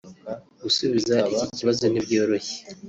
Gusubiza iki kibazo ntibyoroshye